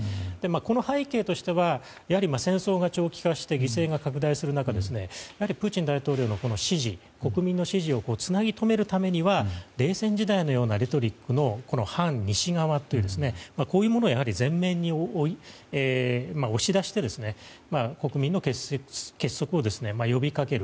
この背景としてはやはり戦争が長期化して犠牲が拡大する中プーチン大統領への国民の支持をつなぎとめるためには冷戦時代のようなレトリックの反西側というこういうものを前面に押し出して国民の結束を呼びかける。